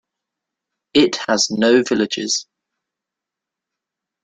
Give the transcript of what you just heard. It has no villages.